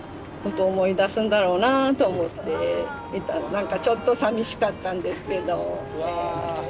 何かちょっとさみしかったんですけど。